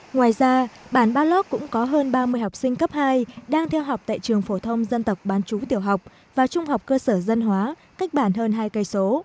ngoài ra bản ba lóc cũng có hơn ba mươi học sinh cấp hai đang theo học tại trường phổ thông dân tộc bán chú tiểu học và trung học cơ sở dân hóa cách bản hơn hai cây số